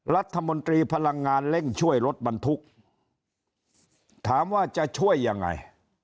รัฐมนตรีพลังงานเร่งช่วยรถบรรทุกถามว่าจะช่วยยังไง